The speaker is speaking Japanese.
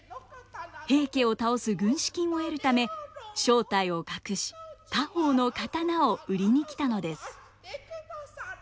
平家を倒す軍資金を得るため正体を隠し家宝の刀を売りに来たのです。